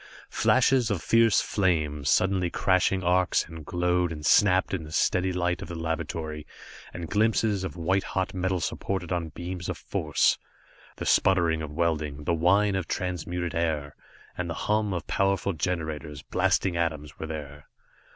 Flashes of fierce flame, sudden crashing arcs that glowed and snapped in the steady light of the laboratory, and glimpses of white hot metal supported on beams of force. The sputter of welding, the whine of transmuted air, and the hum of powerful generators, blasting atoms were there.